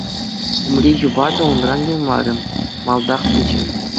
Умри юпа та унран юлмарӗ, малтах пычӗ.